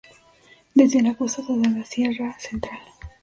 Desde la costa hasta la Sierra central.